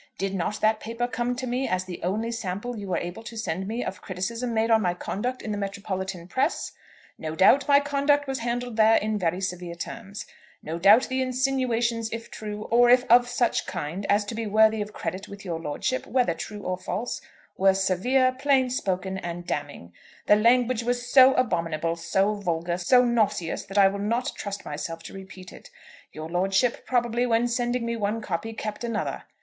Did not that paper come to me as the only sample you were able to send me of criticism made on my conduct in the metropolitan press? No doubt my conduct was handled there in very severe terms. No doubt the insinuations, if true, or if of such kind as to be worthy of credit with your lordship, whether true or false, were severe, plain spoken, and damning. The language was so abominable, so vulgar, so nauseous, that I will not trust myself to repeat it. Your lordship, probably, when sending me one copy, kept another.